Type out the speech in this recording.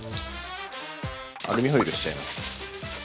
◆アルミホイルしちゃいます。